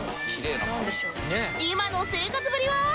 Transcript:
今の生活ぶりは？